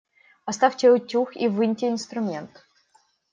Оставьте утюг и выньте инструмент.